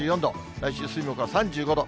来週水、木は３５度。